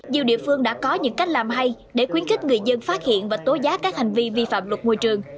nhiều địa phương đã có những cách làm hay để khuyến khích người dân phát hiện và tố giá các hành vi vi phạm luật môi trường